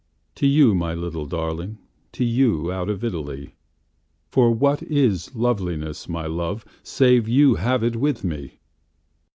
To you, my little darling, To you, out of Italy.For what is loveliness, my love, Save you have it with me!